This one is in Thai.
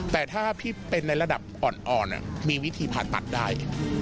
แต่ถ้าพี่เป็นในระดับอ่อนมีวิธีผ่าตัดได้